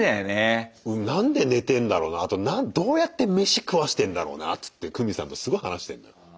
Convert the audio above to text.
何で寝てんだろうなあとどうやって飯食わしてんだろうなっつってクミさんとすごい話してんのよ。